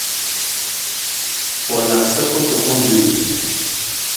U la sa kutukun hiwung.